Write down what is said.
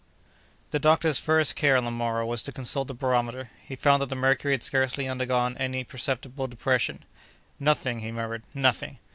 The doctor's first care, on the morrow, was to consult the barometer. He found that the mercury had scarcely undergone any perceptible depression. "Nothing!" he murmured, "nothing!"